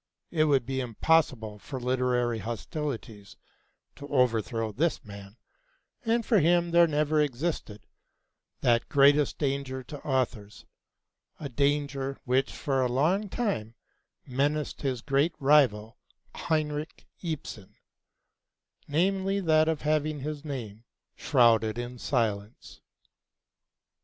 It would be impossible for literary hostilities to overthrow this man, and for him there never existed that greatest danger to authors (a danger which for a long time menaced his great rival Henrik Ibsen), namely, that of having his name shrouded in silence.